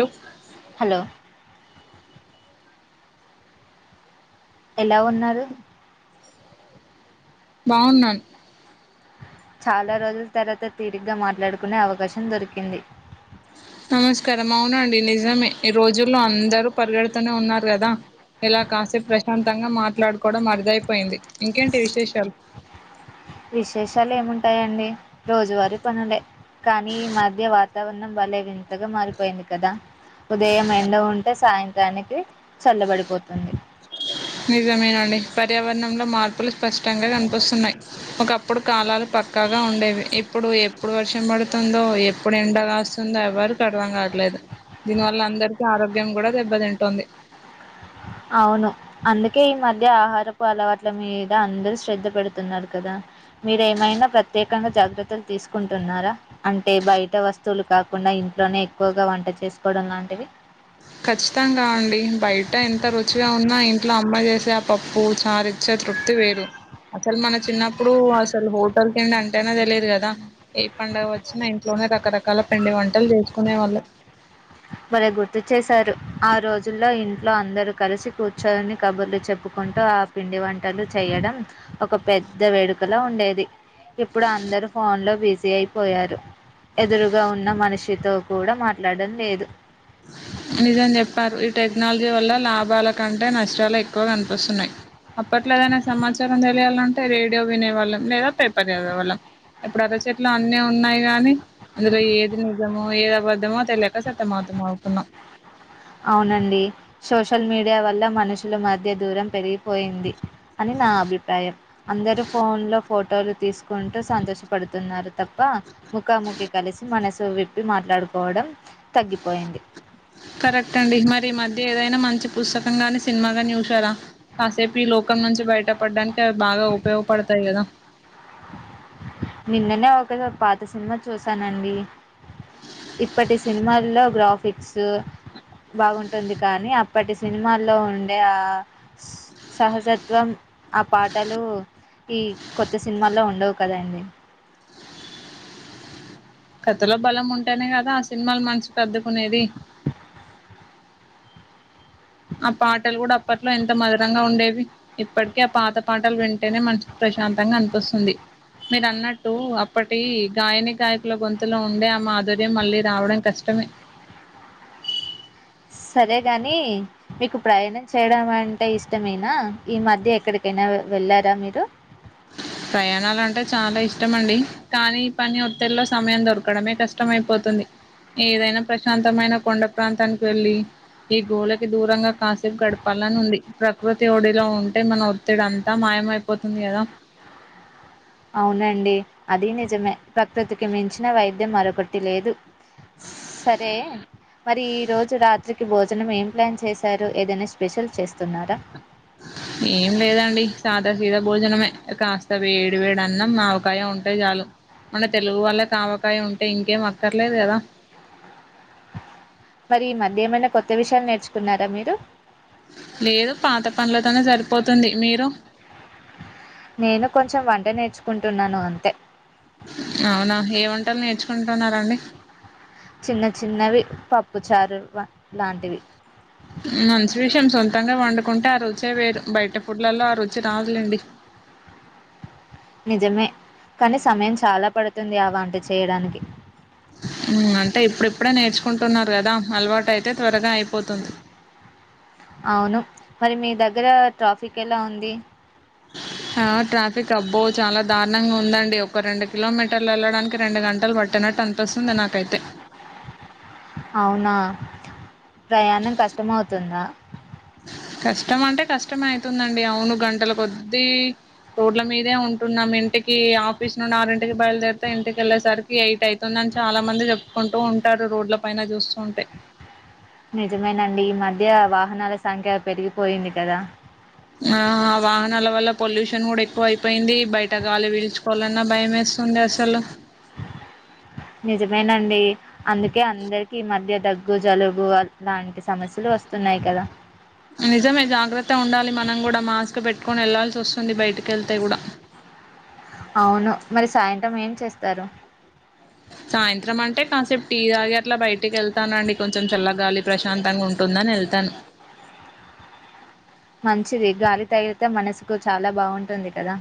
లొ హలొ ఎలా ఉన్నారు బాగున్నాన్ చాల రోజుల్ తర్వాత తీరిగ్గ మాట్లాడ్కునే అవకాశం దొరికింది నమస్కారం ఔనండి నిజమే ఈ రోజుల్లో అందరూ పరిగెడ్తూనే ఉన్నార్ గద ఇలా కాస్ సెప్ ప్రశాంతంగా మాట్లాడ్కోడం అర్దైపోయింది ఇంకేంటి విశేషాల్ విశేషాలేముంటాయండి రోజువారీ పనులే కానీ ఇ మధ్య వాతావరణం బలే వింతగా మారిపోయింది కదా ఉదయం ఎండ ఉంటే సాయంత్రానికి చల్లబడిపోతుంది నిజమేనండి పర్యావరణంలో మార్పులు స్పష్టంగా కన్పిస్తున్నయ్ ఒకప్పుడు కాలాలు పక్కాగా ఉండేవి ఇప్పుడు ఎప్పుడు వర్షం బడుతుందో ఎప్పుడ్ ఎండ గాస్తుందో ఎవర్క్ అర్థం కాట్లేదు. దీన్ వల్ల అందర్కి ఆరోగ్యం గుడ దెబ్బతింటోంది. అవును అందుకే ఈ మధ్య ఆహారపు అలవాట్ల మీద అందరు శ్రద్ధ పెడుతున్నారు కదా మీరేమైనా ప్రత్యేకంగా జాగ్రత్తలు తీసుకుంటున్నారా అంటే బయట వస్తువులు కాకుండా ఇంట్లోనే ఎక్కువగా వంట చేసుకోవడం లాంటివి ఖచ్చితంగా అండి బయట ఎంత రుచిగా ఉన్నా ఇంట్లో అమ్మ చేసే ఆ పప్పు చార్ ఇచ్ చ్చే తృప్తి వేరు. అసల్ మన చిన్నప్పుడు అసల్ హోటల్ తిండంటేనే తెలీదు గదా ఏ పండుగ వొచ్చినా ఇంట్లో నే రకరకాల పిండి వంటల్ చేస్కునే వాళ్ళం బలే గుర్తు చేశారు ఆ రోజుల్లో ఇంట్లో అందరు కలిసి కూర్చోని కబుర్లు చెప్పుకొ టూ ఆ పిండి వంటలు చేయడం ఒక పెద్ద వేడుకల ఉండేది. ఇప్పుడు అందరు ఫోన్లో బిజీ అయిపోయారు. ఎదురుగా ఉన్న మనిషితో కూడా మాట్లాడం లేదు. నిజం చెప్పారు ఈ టెక్నాలజీ వల్ల లాభాల కంటే నష్టాలే ఎక్కువగా కన్పిస్తున్నయి. అప్పట్లో ఏదైనా సమాచారం తెలియాల్నంటే రేడియో వినేవాళ్ళం లేదా పేపర్ చదివే వాళ్ళం ఇప్పుడు అరచేత్లో అన్నీ ఉన్నాయి గాని అందులో ఏది నిజమో ఏది అబద్ధమో తెలియక సతం మత మౌ తున్న అవునండి సోషల్ మీడియా వల్ల మనుషుల మధ్య దూరం పెరిగిపోయింది అని నా అభిప్రాయం. అందరు ఫోన్లో ఫోటోలు తీస్కుంటూ సంతోష పడుతున్నారు. తప్ప ముఖాముఖి కలిసి మనసు విప్పి మాట్లాడుకోవడం తగ్గిపోయింది. టండి మరి మధ్య ఏదైనా మంచి పుస్తకం గాని సినిమాగని చూసారా కాసేప్ ఈ లోకం నుంచి బయటపడ్డానికి అది బాగా ఉప్ ఉపయోగ్ పడ్తాయి గదా నిన్ననే ఒక పాత సినిమా చూసానండి. ఇప్పటి సినిమాల్లో గ్రాఫిక్స్ బాగుంటుంది కానీ అప్పటి సినిమాల్లో ఉండే ఆ సహజత్వం ఆ పాటలు ఈ కొత్త సినిమాల్లో ఉండవు కదా అండి కథలో బలం ఉంటేనే కదా ఆ సినిమాల్ మంచి పెద్దకునేది ఆ పాటల్ గుడా అప్ అప్పట్లో ఎంత మధురంగా ఉండేవి ఇప్పట్కే పాత పాటల్ వింటేనే మన్సుకు ప్రశాంతంగా అన్పిస్తుంది. మీరన్నట్టు అప్పటి గాయని, గాయకుల గొంతులో ఉండే ఆ మాధుర్యం మళ్ళీ రావడం కష్టమే సరే గాని మీకు ప్రయణం చేయడం అంటే ఇష్టమేనా ఈ మధ్య ఎక్కడికైనా అ వెళ్ళారా మీరు? ప్రయాణాలంటే చాలా ఇష్టం అండి కానీ ఈ పని ఒత్తేల్లో సమయం దొర్కడమే కష్టం అయిపోతుంది. ఏదైనా ప్రశాంతమైన కొండ ప్రాంతానిక్ వెళ్ళి ఈ గోళకి దూరంగా కాసేప్ గడపాలనుంది. ప్రకృతి ఒడిలో ఉంటే మన ఒత్తిడంతా మాయ్ యమైపోతుంది గదా అవునండి అది నిజమే ప్రకృతికి మించిన వైద్యం మరొకటి లేదు. సరే మరి ఈ రోజు రాత్రికి భోజనం ఏం ప్లాన్ చేసారు ఏదైనా స్పెషల్ చేస్తున్నారా? ఏం లేదండి సాదా సీద భోజనమే కాస్త వేడి వేడి అన్నం ఆవకాయ ఉంటే చాలు మన తెలుగు వాళ్ళక్ ఆవకాయ ఉంటే ఇంకేం అక్కర్లేదు గదా మరి ఈ మధ్య ఏమైనా కొత్త విషయాల్ నేర్చుకున్నారా మీరు? లేదు పాత పన్లతోనే సరిపోతుంది మీరు? నేను కొంచెం వంట నేర్చుకుంటున్నాను అంతే అవునా ఏ వంటలు నేర్చుకుంటున్నారు అండి చిన్న చిన్నవి పప్పు చారు వ లాంటివి మంచి విషయం సొంతంగా వండుకుంటే ఆ రుచే వేరు బయట ఫుడ్లల్లో ఆ రుచి రాదులేండి నిజమే కనీ సమయం చాలా పడుతుంది ఆ వంట చేయడానికి టున్నార్ గదా అలవాట్ అయితే త్వరగా అయిపోతుం అవును మరి మీ దగ్గరా ట్రాఫిక్ ఎలా ఉంది. ఆ ట్రాఫిక్ అబ్బో చాలా దారుణంగ ఉందండి ఒక రెండు కిలోమీటర్ ఎళ్ళడానికి రెండు గంటల్ పట్టిన్ నట్టన్పిస్తుంది నాకైతే అవునా ప్రయాణం కష్టమవుతుందా కష్టం అంటే కష్టమే అయితుందండి అవును గంటల కొద్దీ రోడ్ల మీదే ఉంటున్నాం ఇంటికి ఆఫీస్ నుండి ఆరింటికి బయలుదేరితె ఇంటికెళ్ళేసరికి ఎయిట్ అయితుంది అని చాలా మంది చెప్పుకుంటు ఉన్ ఉంటారు రోడ్ల పైన చూస్తు ఉంటె నిజమేనండి ఈ మధ్య వాహనాల సంఖ్య పెరిగిపోయింది కదా ఆ వాహనాల వల్ల పొల్యూషన్ గూడ ఎక్కువైపోయింది బయట గాలి పిల్చుకోవాలన్న భయమెస్ స్తుంది అసలు నిజమేనండి అందుకె అందరికి ఈ మధ్య దగ్గు జలుబు అ లాంటి సమస్యలు ఒస్తున్నయ్ కదా నిజమే జాగ్రత్తగుండాలి మనం గూడ మాస్క్ పెట్టుకొని ఎళ్లాల్సి వస్తుంది బయటికేళ్తే గూడ అవును మరి సాయంత్రం ఏం చేస్తారు సాయంత్రం అంటె కాసేపు టీ తాగి అట్ల బయటికేళ్తానండి కొంచెం చల్లగాలి ప్రశాంతంగుంటుందన్ నెళ్తాను మంచిది గాలి తగిలితే మనసుకు చాలా బావుంటుంది కదా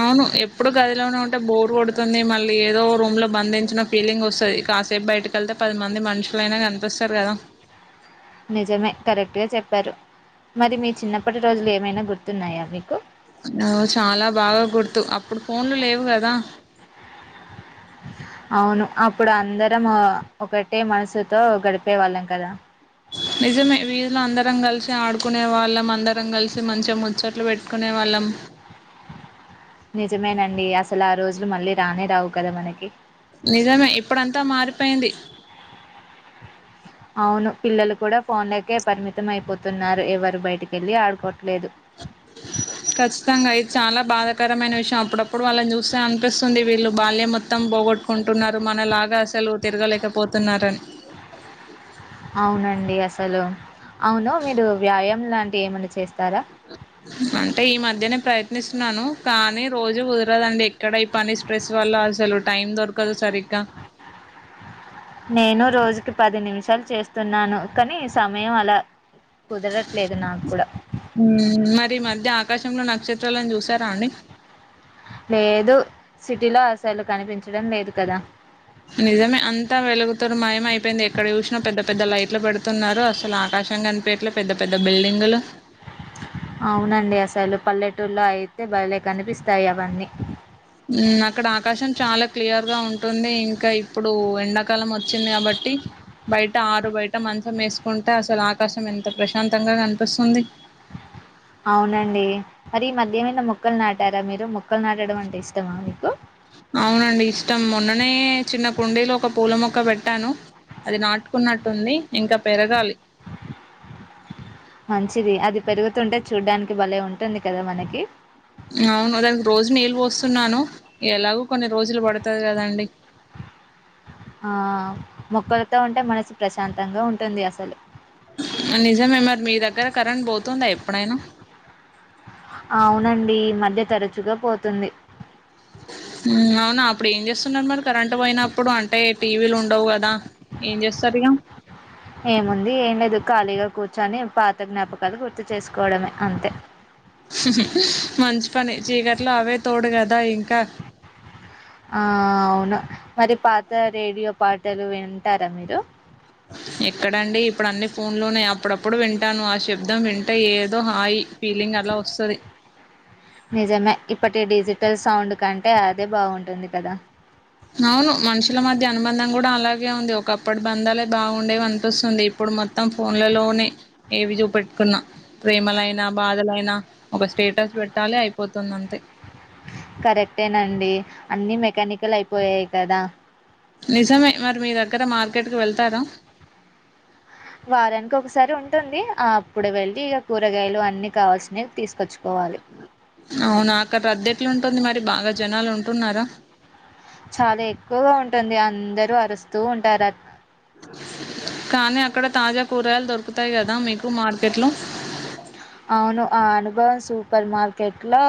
అవును ఎప్పుడు గదిలోనె ఉంటే బోరు గొడుతుంది మళ్ళీ ఏదో ఒ రూమ్ లో బంధించిన ఫీలింగ్ ఒస్తది కాసేపు బయటకెళ్తే పది మంది మనుషులైనా కనిపిస్తరు గదా నిజమె కరెక్ట్ గ చెప్పారు మరి మీ చిన్నప్పటి రోజులు ఏమైన గుర్తున్నాయా మికు ఒ చాలా బాగా గుర్తు అప్పుడు ఫోన్లు లేవు కదా అవును అప్పుడు అందరం ఆ ఒకటే మనసుతో గడిపే వాళ్ళం కదా నిజమె వీదిలో అందరం కలిసి ఆడుకునే వాళ్ళం అందరం కలిసి మంచిగ ముచ్చట్లు పెట్టుకునే వాళ్ళం నిజమేనండి అసలు ఆ రోజులు మళ్ళి రానే రావు కద మనకి నిజమె ఇప్పుడంతా మారిపోయింది అవును పిల్లలు కూడ ఫోన్లకే పరిమితమైపోతున్నారు ఎవరు బయటికెళ్ళి ఆడుకోట్లేదు ఖచ్చితంగా ఇది చాలా బాధకరమైన విషయం అప్పుడప్పుడు వాళ్ళని చుస్తే అనిపిస్తుంది వీళ్ళు బాల్యం మొత్తం పొ పొగొట్టుకుంటున్నారు మనలాగా అసలు తిరగలేకపోతున్నారని అవునండి అసలు అవును మిరు వ్యయం లాంటివి ఏమన్న చేస్ అంటె ఈ మ ధ్యనె ప్రయత్నిస్తున్నాను కానీ రోజు కుదరదండి ఎక్కడ ఈ పని స్ట్రెస్ వల్ల అసలు టైం దొర్ కదు సరి నేను రోజుకి పది నిమిషాలు చేస్తున్నాను కనీ సమయం అలా కుదరట్లేదు నాకు కూడా. హు మ్ మరీ ఈ మధ్య ఆకాశంలో నక్ష త్రలన్ చుసారా అండి లేదు సిటిలో అసలు కనిపించడం లేదు కద నిజమె అంతా వెలుగుతొన్ మాయమైపోయింది ఎక్కడ చుశినా పెద్ద పెద్ద లైట్లు పెడుతున్నారు అసలు ఆట్ ర్శం కనిపియట్లె పెద్ద పెద్ద బిల్డింగులు అవునండి అసలు పల్లెటూర్లో అయితే భలే కనిపిస్తాయి అవన్ని టుంది ఇంకా ఇప్పుడు ఎండాకాలం ఒచ్చింది కాబట్టి బయట ఆరు బయట మంచం వెసుకుంటే అసలు ఆకాశం ఎంత ప్రశాంతంగా కనిపిస్తుంది ఔనండి మరి ఈ మధ్య ఎమన్న మొక్కల్ నాటారా మీరు మొక్కల్ నాటడం అంటే ఇష్టమా మీకు అవునండి ఇష్టం మొన్ననే చిన్న కుండీలో ఒక పూల మొక్క పెట్టాను అది నాటుకున్నటుంది ఇంకా పెరగాలి మంచిది అది పెరుగుతుంటే చూడ్డానికి భలే ఉంటుంది కదా మనకి స్తున్నాను ఎలాగో కొన్ని రోజులు బడుతది కదాండి ఆ మొక్కలతో ఉంటే మనసు ప్రశాంతంగా ఉంటుంది అసలు నిజమే మరి మీ దగ్గర కరెంట్ బోతుందా ఎప్పుడైనా అవునండి ఈ మధ్య తరచుగా పోతుంది మ్ ఔనా అప్పుడేంజేస్తున్నారు మరి కరెంటు పోయినప్పుడు అంటే టీవీలుండవ్ కదా ఏం చేస్సర్ ఇగ ఏముంది ఏం లేదు ఖాళీగా కూర్చొని పాత జ్ఞాపకాలు గుర్తు చేసుకోవడమే అంతే మంచి పని చీకట్లో అవే తోడు గదా ఇంకా ఆ ఆ అవును మరి పాత రేడియో పాటలు వింటారా మీరు ఎక్కడండి ఇప్పుడన్ని ఫోన్లోనే అప్పుడప్పుడు వింటాను ఆశబ్దం వింటే ఏదో హాయ్ ఫీలింగ్ అలా ఓస్తది నిజమే ఇప్పటి డిజిటల్ సౌండుకంటే అదే బాగుంటుంది కదా అవును మనుషుల మధ్య అనుబంధం గూడా అలాగే ఉంది ఒకప్పటి బంధాలే బాగుండేవి అనిపిస్తుంది ఇప్పుడు మొత్ మొత్తం ఫోన్లలోనే ఏవి జూపెట్కున్నా ప్రేమలైనా బాధలై నా ఒక స్టేటస్ బెట్టాలె అయిపోతుంది అంతే కరెక్టేనండి అన్ని మెకానికల్ అయిపోయాయి కదా నిజమే మరి మీ దగ్గర మార్కెట్కి వెళ్తార వారానికొక్కసారి ఉంటుంది ఆప్పుడు వెళ్ళి ఇగ కూరగాయలు అన్ని కావాల్సినై తీసుకొచ్ అవునా అక్కడ రద్దెట్లుంటుంది మరి బాగా జనాలు ఉంటున్నారా చాలా ఎక్కువగా ఉంటుంది అందరూ అరుస్తూ ఉంటారనమాట కానీ అక్కడ తాజా కూరగాయల్ దొరుకుతాయి గదా మీకు మార్కెట్లో ఔను ఆ అనుభవం సూపర్ మార్కెట్లో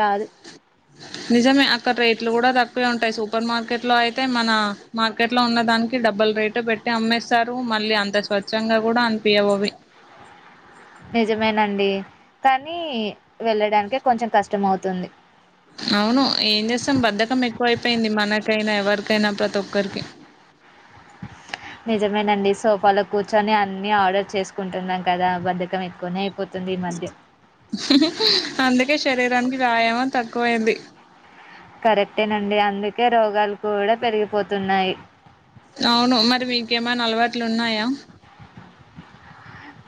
రాదు నిజమే అక్కడ రేట్లు గూడా తక్కువే ఉంటాయి సూపర్ మార్కెట్లో అయితే మన మార్కెట్ లో ఉన్న దానికి డబల్ రేటు పెట్టి అమ్మేస్తారూ మళ్ళీ అంత స్వచ్ఛంగా గుడా అనిపియ్యవవ్వి నిజమేనండి కానీ వెళ్ళడానికే కొంచెం కష్టం అవుతుంది అవును ఏం జేస్తాం బద్ధకం ఎక్కువై పోయింది మనకైనా ఎవరికైనా ప్రతోక్కరికి నిజమేనండి సోఫాలో కూర్చొని అన్ని ఆర్డర్ చేసుకుంటున్నాం కదా బద్ధకం ఎక్కువనే అయిపో అందుకే శరీరానికి వ్యాయామం తక్కువైంది కరెక్టేనండి అందుకే రోగాలు కూడా పెరిగిపోతున్నాయి ఔను మరి మీకేమన్నా అలవాట్లు ఉన్నాయా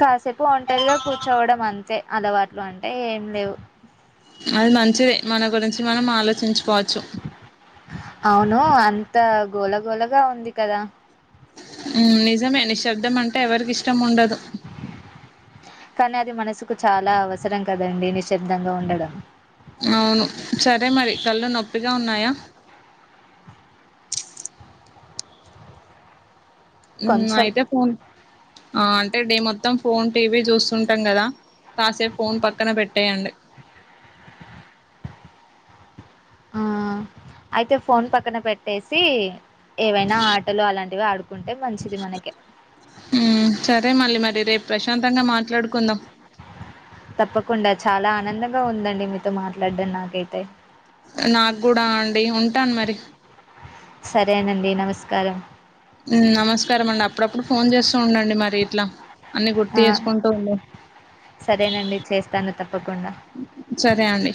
కాసేపు ఓంటరిగా కూర్చోవడం అంతే అలవాట్లు అంటే ఏం లేవు అది మంచిది మన గురించి మనం ఆలోచించ్ ఔను అంత గోళగోళగా ఉంది కదా మ్ నిజమే నిశ్శబ్దం అంటే ఎవరికిష్టం ఉండదు కానీ అది మనసుకు చాలా అవసరం కదండి నిశ్చిబ్దంగా ఉండడం అవును సరే మరి కళ్ళు నొప్పిగా ఉన్నాయా మ్ కొంచెం అయితే ఫోన్ ఆ అంటే డే మొత్తం ఫోన్ టీవీ జూసుంటాం గదా కాసేప్ ఫోన్ పక్కన పెట్టేయం ఆ అయితే ఫోన్ పక్కన పెట్టేసి ఏవైనా ఆటలు అలాంటివి ఆడు కుంటే మంచిది మనకె రేప్ ప్రశాంతంగా మాట్లాడుకుందాం తప్పకుండా చాలా ఆనందంగా ఉందండి మీతో మాట్లాడడం నాకైతే నాగ్గుడా అండి ఉంటాన్ మరి సరేనండి నమస్కారం మ్ నమస్కారం అండి అప్పుడప్పుడు ఫోన్ చేస్తూ ఉండండి మరి ఇట్లా అన్ని ఆ గుర్తు ఏసుకుంటూ ఉండు సరేనండి చేస్తాను తప్పకుండా సరే అండి